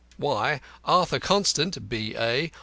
Why Arthur Constant, B.A.